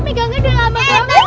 pegangnya udah lama banget